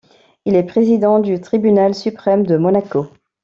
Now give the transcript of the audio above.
Il est président du Tribunal suprême de Monaco.